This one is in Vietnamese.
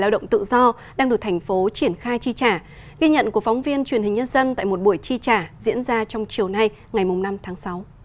lao động tự do đang được thành phố triển khai chi trả ghi nhận của phóng viên truyền hình nhân dân tại một buổi chi trả diễn ra trong chiều nay ngày năm tháng sáu